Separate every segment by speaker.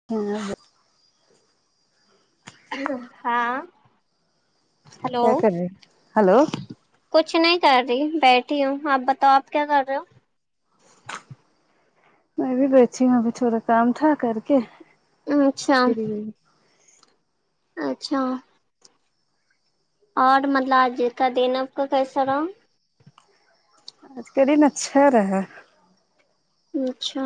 Speaker 1: [unintelligible]
Speaker 2: ہاں ہلو
Speaker 1: کیا کر رہے ہلو
Speaker 2: کچھ نہیں کر رہی بیٹھی ہوں آپ بتاؤ آپ کیا کر رہے ہو
Speaker 1: میں بھی بیٹی ہوں ابھی تھوڑا کام تھا کر کے
Speaker 2: اچھا
Speaker 1: فری ہوئی۔
Speaker 2: اچھا اور مطلب آج کا دین آپ کا کیسا رہا
Speaker 1: آج کے دن اچھا رہا
Speaker 2: اچھا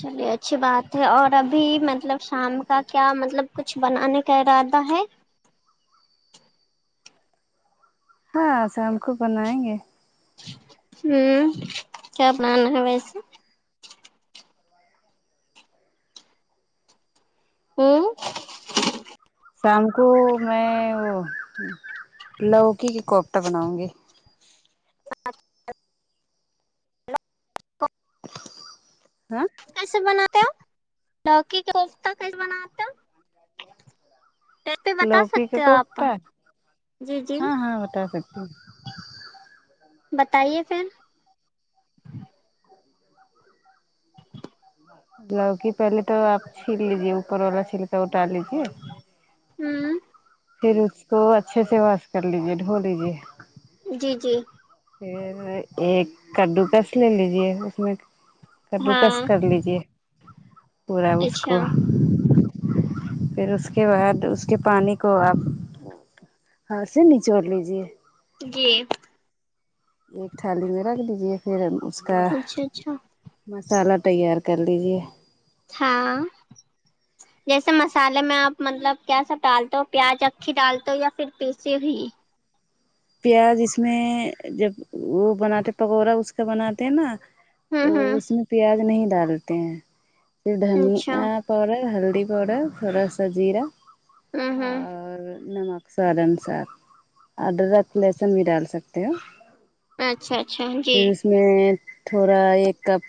Speaker 2: چلیے اچھی بات ہے اور ابھی مطلب شام کا کیا مطلب کچھ بنانے کا ارادہ ہے
Speaker 1: ہاں سام کو بنائیں گے
Speaker 2: ہوں کیا بنانا ہے ویسے ہوں
Speaker 1: شام کو میں وہ لوکی کے کوفتہ بناؤں گی
Speaker 2: اچ کوفتہ
Speaker 1: ہاں
Speaker 2: کیسے بناتے ہیں لوکی کا کوفتہ کیسے بناتے آ بتا
Speaker 1: لوکی کا
Speaker 2: سکتے ہو آپ
Speaker 1: کوفتہ
Speaker 2: جی جی
Speaker 1: ہاں ہاں بتا سکتی ہوں
Speaker 2: بتائیے پھر
Speaker 1: لوکی پہلے تو آپ چھیل لیجیے اوپر والا چھیلکا اتار لیجیے
Speaker 2: ہوں
Speaker 1: پھر اس کو اچھے سے واش کر لیجے دھو لیجیے
Speaker 2: جی جی
Speaker 1: پھر ایک کدڈو کس لے لیجیے اس میں کددو کس
Speaker 2: ہاں
Speaker 1: کر لیجیے پورا اس کو
Speaker 2: اچھا
Speaker 1: پھر اس کے بعد اس کے پانی کو آپ ہاں سے نچوڑ لیجیے
Speaker 2: جی
Speaker 1: ایک تھالی میں رکھ دیجیے پھر ہم اس کا
Speaker 2: اچھا اچھا
Speaker 1: مسالہ تیار کر لیجیے
Speaker 2: ہاں جیسے مسالے میں آپ مطلب کیا سب ڈالتے ہو پیاز اکھی ڈالتے یا پھر پیسی ہوئی
Speaker 1: پیاز اس میں جب وہ بناتے پکوڑا اس کا بناتے ہیں نا
Speaker 2: ہوں
Speaker 1: تو اس
Speaker 2: ہوں
Speaker 1: میں پیاز نہیں ڈالتے ہیں پھر
Speaker 2: اچھا
Speaker 1: دھنیا پاؤڈر ہلدی پاؤڈر تھوڑا سا زیرہ
Speaker 2: ہوں ہوں
Speaker 1: اور نمک سواد انوسار آڈرک لہسن بھی ڈال سکتے ہو
Speaker 2: اچھا اچھا جی
Speaker 1: پھر اس میں تھوڑا ایک کپ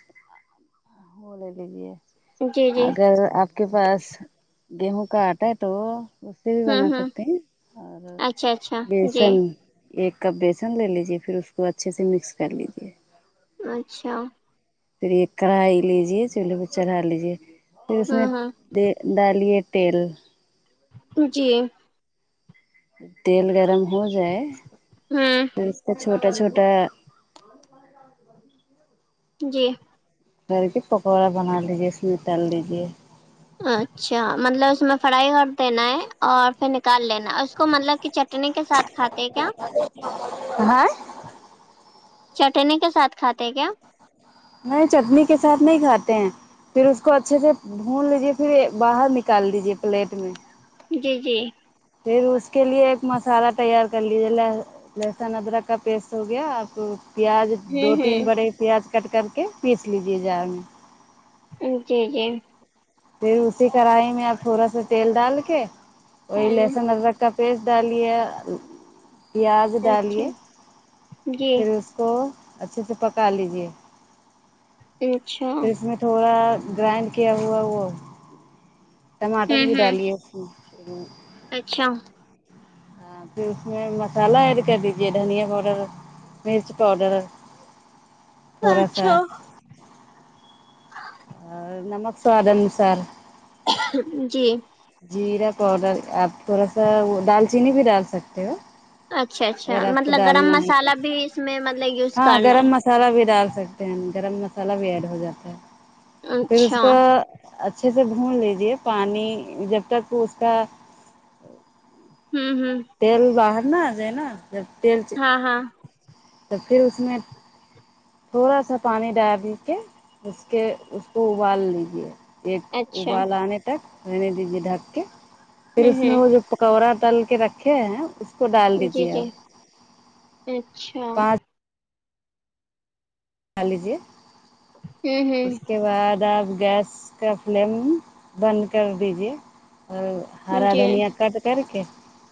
Speaker 1: وہ لے لیجیے
Speaker 2: جی جی
Speaker 1: اگر آپ کے پاس گیہوں کا آٹا ہے تو سے بھی بنا
Speaker 2: ہوں ہوں
Speaker 1: سکتے ہیں اور
Speaker 2: اچھا اچھا جی
Speaker 1: بیسن ایک کپ بیسن لے لیجیے پھر اس کو اچھے سے مکس کر لیجیے
Speaker 2: اچھا
Speaker 1: پھر ایک کڑھائی لیجے چولہے پہ چڑھا لیجے پھر اس میں
Speaker 2: ہوں ہوں
Speaker 1: دیک دالیے تیل
Speaker 2: جی
Speaker 1: تیل گرم ہو جائے
Speaker 2: ہوں
Speaker 1: پھر اس کا چھوٹا چھوٹا
Speaker 2: جی
Speaker 1: ٹھہر کے پکوڑا بنا لیجیے اس میں تل لیجیے
Speaker 2: اچھا مطلب اس میں فرائی کر دینا ہے اور پھر نکال لینا ہے اس کو مطلب کہ چ چٹنی کے ساتھ کھاتے ہیں کیا
Speaker 1: ہاں
Speaker 2: چٹنی کے ساتھ کھاتے ہیں کیا
Speaker 1: نہیں چٹنی کے ساتھ نہیں کھاتے ہیں پھر اس کو اچھے سے بھون لیجیے پھر یہ باہر نکال لیجیے پلیٹ میں
Speaker 2: جی جی
Speaker 1: پھر اس کے لیے ایک مسالحہ تیار کر لیجے ل لہسن ادرک کا پیسٹ ہو گیا اب پیاز دو
Speaker 2: ہوں
Speaker 1: تین
Speaker 2: ہوں
Speaker 1: بڑے پیاز کٹ کر کے پیس لیجے جار میں
Speaker 2: جی جی
Speaker 1: پھر اسی کڑھائی میں آپ تھوڑا سا تیل ڈال کے وہی
Speaker 2: ہاں
Speaker 1: لہسن ادرک کا پیسٹ ڈالیے پیاز
Speaker 2: اچھا
Speaker 1: ڈالیے
Speaker 2: جی
Speaker 1: پھر کو اچھے سے پکا لیجیے
Speaker 2: ا اچھا
Speaker 1: پھر اس میں تھوڑا گرائنڈ کیا ہوا وہ ٹماٹر
Speaker 2: ہوں
Speaker 1: بھی
Speaker 2: ہوں
Speaker 1: ڈالیے [inaudible]
Speaker 2: اچھا
Speaker 1: ہاں پھر اس میں مسالہ ایڈ کر دیجے دھنیا پاؤڈر مرچ پاؤڈر تھورا سا
Speaker 2: اچھا
Speaker 1: اور نمک سواد انوسار
Speaker 2: جی
Speaker 1: جیرا پاؤڈر آپ تھوڑا سا وہ دالچینی بھی ڈال سکتے ہو
Speaker 2: اچھا اچھا
Speaker 1: اگر آپ کو
Speaker 2: مطلب گرم
Speaker 1: ڈالنا ہے تو
Speaker 2: مسالحہ بھی اس میں مطلب یوز
Speaker 1: ہاں
Speaker 2: کرنا
Speaker 1: گرم
Speaker 2: ہے
Speaker 1: مسالہ بھی ڈال سکتے ہیں گرم مسالہ بھی ایڈ ہو جاتا ہے
Speaker 2: ہے
Speaker 1: پھر اس
Speaker 2: اچھا
Speaker 1: کو اچھے سے بھون لیجیے پانی جب تک اس کا
Speaker 2: ہوں ہوں
Speaker 1: تیل باہر نا آ جائے نا جب تیل
Speaker 2: ہاں ہاں
Speaker 1: تو پھر اس میں تھوڑا سا پانی ڈال بھی کے اس کے اس کو ابال لیجیے ایک
Speaker 2: اچھا
Speaker 1: ابال آنے تک رہنے دیجیے ڈھک کے پھر
Speaker 2: ہوں
Speaker 1: اس میں وہ
Speaker 2: ہوں
Speaker 1: جو کورا تل کے رکھے ہیں اس کو ڈال
Speaker 2: جی
Speaker 1: دیجیے
Speaker 2: جی
Speaker 1: آپ
Speaker 2: اچھا
Speaker 1: پانچ کھا لیجے اس کے بعد آپ گیس اس کا فلیم بند کر دیجے اور
Speaker 2: ہوں
Speaker 1: ہرا
Speaker 2: جی
Speaker 1: دھنیا کٹ کر کے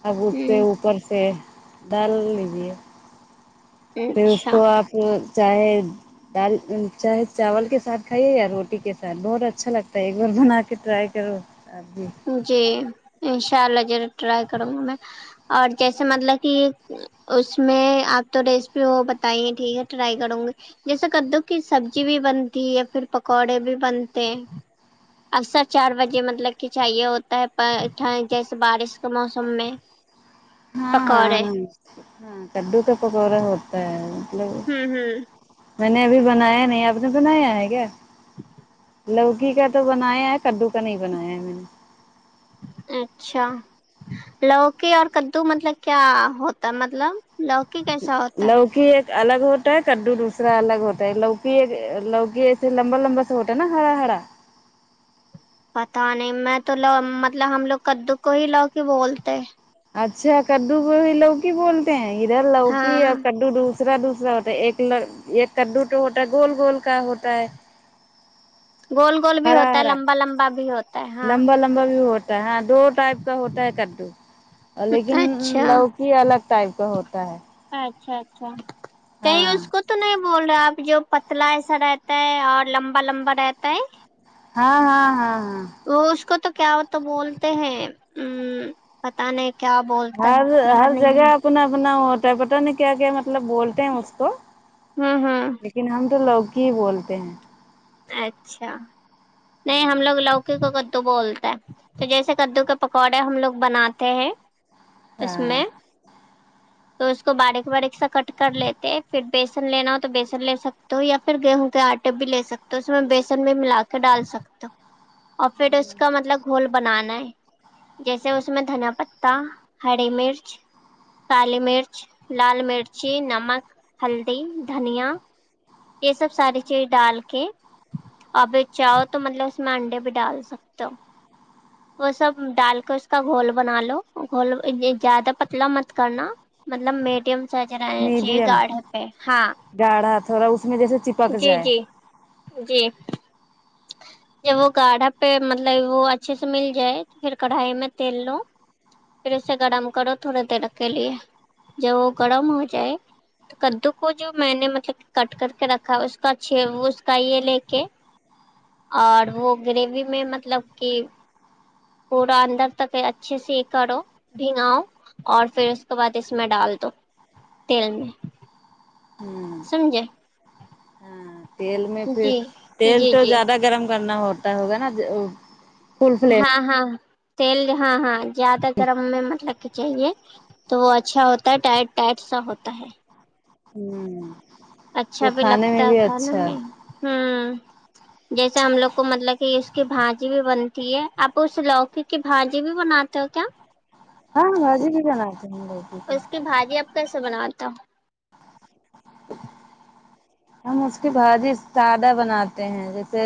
Speaker 1: اب اس سے
Speaker 2: ہوں
Speaker 1: اوپر سے ڈال لیجیے پھر اس
Speaker 2: اچھا
Speaker 1: کو آپ چاہے دال چاہے چاول کے ساتھ کھائیے یا روٹی کے ساتھ بہت اچھا لگتا ہے ایک بار بنا کے ٹرائی کرو ابھی
Speaker 2: جی انشاء اللہ ضرور ٹرائی کروں گی میں اور جیسے مطلب کہ اس میں آپ تو ریسیپی وہ بتائیے ٹھیک ہے ٹرائی کروں گی جیسے کدو کی سبزی بھی بنتی یا پھر پکوڑے بھی بنتے ہیں اکثر چار بجے مطلب کھنچا ہائیے ہوتا ہے ٹھنڈ جیسے بارش کے موسم میں
Speaker 1: ہاں ہاں
Speaker 2: پکوڑے
Speaker 1: وہی ہاں کددو کا پکوڑا ہوتا ہے مطلب
Speaker 2: ہوں ہوں
Speaker 1: میں نے ابھی بنایا نہیں آپ نے بنایا ہے کیا لوکی کا تو بنایا ہے کدو کا نہیں بنایا ہے میں نے
Speaker 2: اچھا لوکی اور کدو مطلب کیا ہوتا مطلب لوکی کیسا ہوتا ہے
Speaker 1: لوکی ایک الگ ہوتا ہے کدو دوسرا الگ ہوتا ہے لوکی ایک لوگے ایسے لمبا لمبا سا ہوتا ہے نا ہرا ہرا
Speaker 2: پتا نہیں میں تو لو مطلب ہم لوگ کدو کو ہی لوکی بولتے
Speaker 1: اچھا کدو کو لوکی بولتے ہیں ادھر لوکی
Speaker 2: ہاں
Speaker 1: اور کدو دوسرا دوسرا ہوتا ہے ایک ایک کدو تو ہوتا ہے گول گول کا ہوتا ہے
Speaker 2: گول گول بھی
Speaker 1: ہرا
Speaker 2: ہوتا ہے
Speaker 1: ہرا
Speaker 2: لمبا لمبا بھی ہوتا ہے ہاں
Speaker 1: لمبا لمبا بھی ہوتا ہے دو ٹائپ کا ہوتا ہے کدو لیکن
Speaker 2: اچھا
Speaker 1: لوکی الگ ٹائپ کا ہوتا ہے
Speaker 2: اچھا اچھا کہیں
Speaker 1: ہاں
Speaker 2: اس کو تو نہیں بول رہے آپ جو پتلا ایسا رہتا ہے اور لمبا لمبا رہتا ہے
Speaker 1: ہاں ہاں ہاں ہاں
Speaker 2: وہ اس کو تو کیا ہوتا بولتے ہیں ہمم پتا نہیں کیا بولتے یاد نہیں ہے
Speaker 1: بھونا بھونا ہوتا ہے پتہ نہیں کیا کیا مطلب بولتے ہیں اس کو
Speaker 2: ہے ہوں ہوں
Speaker 1: لیکن ہم تو لوکی ہی بولتے ہیں
Speaker 2: اچھا نہیں ہم لوگ لوک ک کو کدو بولتے ہے تو جیسے کدو کے پکوڑے ہم لوگ بناتے ہیں اس
Speaker 1: ہاں
Speaker 2: میں تو اس کو باریک باریک سا کٹ کر لیتے پھر بیسن لینا ہو تو بیسن لے سک تو یا پھر گیہوں کے آٹے بھی لے سکتے ہو اس میں بیسن بھی ملا کے ڈال سکتے ہو اور پھر اس کا مطلب گھول بنانا ہے جیسے اس میں دھنا پتا ہری مرچ کالی مرچ لال مرچی نمک ہلدی دھنیا یہ سب ساری چیز ڈال کے ابھی چاہو تو مطلب اس میں انڈے بھی ڈال سکتا ہو
Speaker 1: [inaudible]
Speaker 2: وہ سب ڈال کے اس کا گھول بنا لو گھول زیادہ پتلا مت کرنا مطلب میڈیم سج رہ چاہیے
Speaker 1: میڈیم
Speaker 2: گاڑھ پہ ہاں
Speaker 1: گاڑھا تھوڑا اس میں جیسے چپک
Speaker 2: جی
Speaker 1: جائے
Speaker 2: جی جی
Speaker 1: [inaudible]
Speaker 2: جب وہ گاڑھا پہ مطلب وہ اچھے سے مل جائے تو پھر کڑھائی میں تیل لو پھر اسے گرم کرو تھوڑے دیر کے لیے جب وہ گرم ہو جائے کدو کو جو میں نے مطلب کٹ کر کے رکھا ہے اس کا اچھے چ کایہ لے کے اور وہ گریوی میں مطلب کہ پورا اندر تک اچھے سے ہی کرو بھناؤ اور پھر اس کے بعد اس میں ڈال دو تیل میں
Speaker 1: ہوں
Speaker 2: سمجے
Speaker 1: ہاں تیل میں پھر
Speaker 2: جی
Speaker 1: تیل
Speaker 2: جی
Speaker 1: تو
Speaker 2: جی
Speaker 1: زیادہ گرم کرنا ہوتا ہوگا نا فل فلیم
Speaker 2: ہاں ہاں تیل ہاں ہاں زیادہ گرم میں مطلب کہ چاہیے تو وہ اچھا ہوتا ہے ٹائٹ ٹائٹ سا ہوتا ہے
Speaker 1: ہوں
Speaker 2: اچھا
Speaker 1: وہ
Speaker 2: بھی
Speaker 1: کھانے
Speaker 2: لگتا
Speaker 1: میں
Speaker 2: ہے
Speaker 1: بھی
Speaker 2: کھانے
Speaker 1: اچھا
Speaker 2: میں ہمم جیسے ہم لوگ کو مطلب کہ اس کی بھاجی بھی بنتی ہے اب اس لوکی کی بھاجی بھی بناتے ہو کیا
Speaker 1: ہاں بھاجی بھی بنا سکتے
Speaker 2: اس کی بھاجی آپ کیسے بناتے ہوں
Speaker 1: ہم اس کی بھاجی سادہ بناتے ہیں جیسے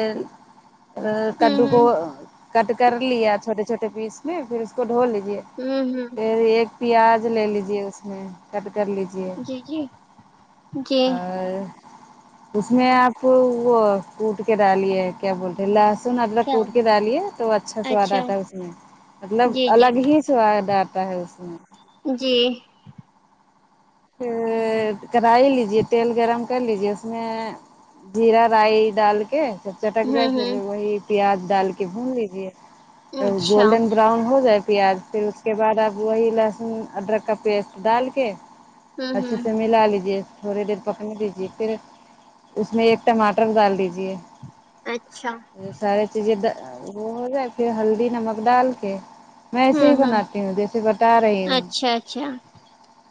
Speaker 1: کدو کو
Speaker 2: ہوں
Speaker 1: کٹ کر لیا چھوٹے چھوٹے پیس میں پھر اس کو دھو لیجے
Speaker 2: ہوں ہوں
Speaker 1: پھر ایک پیاز لے لیجے اس میں کٹ کر لیجے جی
Speaker 2: جی
Speaker 1: اور اس میں آپ وہ کوٹ کے ڈالیے کیا بولتے ہیں لہسن ادرک
Speaker 2: کیا
Speaker 1: کوٹ کے ڈالیے تو اچھا سواد آتا ہے اس میں مطلب
Speaker 2: جی جی
Speaker 1: الگ ہی سواد آتا ہے اس میں
Speaker 2: جی
Speaker 1: کڑاہی لیجیے تیل گرم کر لیجیے اس میں جیرا رائی ڈال کے جب چٹک جائے
Speaker 2: ہوں
Speaker 1: پھر
Speaker 2: ہوں
Speaker 1: وہی پیاز ڈال کے بھون لیجے
Speaker 2: اچھا
Speaker 1: گولڈن براؤن ہو جائے پیاز پھر اس کے بعد آپ وہی لہسن ادرک کا پیسٹ ڈال کے
Speaker 2: ہوں
Speaker 1: اچھے
Speaker 2: ہوں
Speaker 1: سے ملا لیجیے تھوڑے دیر پکنے دیجیے پھر اس میں ایک ٹماٹر ڈال دیجیے
Speaker 2: اچھا
Speaker 1: سارے چیزیں وہ ہو جائے پھر ہلدی نمک ڈال کے میں ایسے ہی بناتی ہوں جیسے بتا رہی ہوں
Speaker 2: اچھا اچھا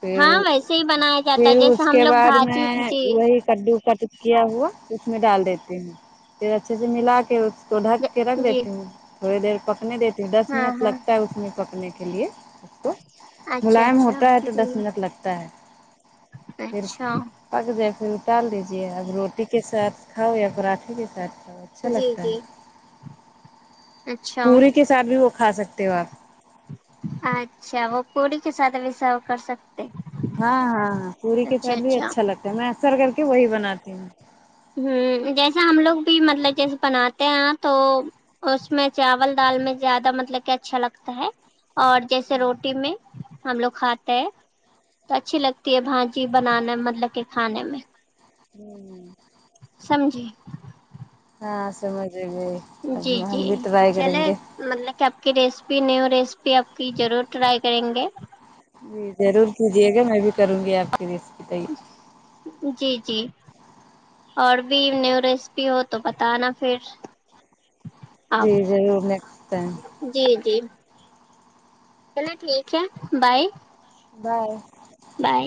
Speaker 1: پھر
Speaker 2: ہاں ویسے ہی بنایا جاتا ہے
Speaker 1: پھر
Speaker 2: جیسے
Speaker 1: اس
Speaker 2: ہم
Speaker 1: کے
Speaker 2: لوگ
Speaker 1: بعد
Speaker 2: بھاجی
Speaker 1: میں
Speaker 2: جی
Speaker 1: کدو کٹ کیا ہوا اس میں ڈال دیتے ہیں پھر اچھے سے ملا کے تو ڈھک کے رکھ
Speaker 2: جی
Speaker 1: دیتی ہوں تھوڑی دیر پکنے دیتی ہوں دس
Speaker 2: ہاں
Speaker 1: منٹ
Speaker 2: ہاں
Speaker 1: لگتا ہے اس میں پکنے کے لیے اس کو
Speaker 2: اچھا
Speaker 1: ملائم
Speaker 2: اچھا
Speaker 1: ہوتا ہے تو
Speaker 2: جی
Speaker 1: دس منٹ لگتا ہے پھر
Speaker 2: اچھا
Speaker 1: پک جائے پھر اتار لیجیے اب روٹ ی کے ساتھ کھاؤ یا پراٹھے کے ساتھ کاؤ اچھا
Speaker 2: جی
Speaker 1: لگتا ہے
Speaker 2: جی اچھا
Speaker 1: پوری کے ساتھ بھی وہ کھا سکتے ہو آپ
Speaker 2: اچھا وہ پوری کے ساتھ بھی سروے کر سکتے
Speaker 1: ہاں ہاں ہاں پوری کے ساتھ بھی اچھا لگتا ہے میں اکثر کر کے وہی بناتی ہوں
Speaker 2: ہوں جیسے ہم لوگ بھی مطلب جیسے بناتے ہیں تو اس میں چاول دال میں زیادہ مطلب کہ اچھا لگتا ہے اور جیسے روٹی میں ہم لوگ کھاتے ہیں تو اچھی لگتی ہے بھاجی بنانے میں مطلب کہ کھانے میں
Speaker 1: ہمم
Speaker 2: سمجھی
Speaker 1: ہاں سمجھ گئی اب
Speaker 2: جی جی
Speaker 1: ہم بھی ٹرائی کریں
Speaker 2: چلے
Speaker 1: گے
Speaker 2: مطلب کہ آپ کی ریسیپی نیو ریسیپی آپ کی ضرور ٹرائی کریں گے
Speaker 1: جی ضرور کیجیے گا میں بھی کروں گی آپ کی ریسیپی ٹرائی
Speaker 2: جی جی اور بھی نیو رسیپی ہو تو بتانا پھر آپ
Speaker 1: جی ضرور نیکسٹ ٹائم
Speaker 2: جی جی چلو ٹھیک ہے بائے
Speaker 1: بائے
Speaker 2: بائے